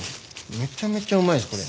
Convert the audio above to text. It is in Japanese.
めちゃめちゃうまいですこれ。